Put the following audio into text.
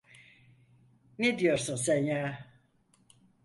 Ne diyorsun sen ya?